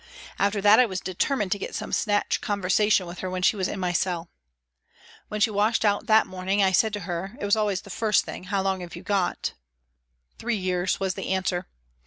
After that I was deter mined to get some snatch conversation with her when she was in my cell. When she washed out that morning, I said to her it was always the first thing " How long have you got ?"" Three years," was the answer.